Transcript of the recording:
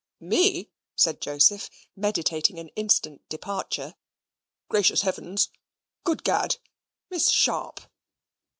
"Me!" said Joseph, meditating an instant departure. "Gracious Heavens! Good Gad! Miss Sharp!'